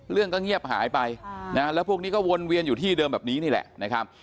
เรื่องก็เงียบหายไปแล้วพวกนี้ก็วนเวียนอยู่ที่เดิมแบบนี้นี่แหละนะครับ